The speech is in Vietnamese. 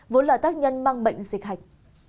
vốn là tác nhân mang bệnh dịch hạch